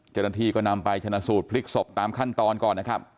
เจ้าหน้าที่ก็นำไปชนะสูตรพลิกศพตามขั้นตอนก่อนนะครับ